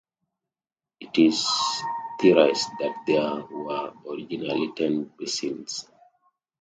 It is theorized that there were originally ten basins.